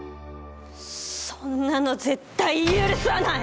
そんなの絶対許さない！